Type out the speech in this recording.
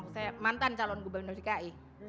saya mantan calon gubernur dki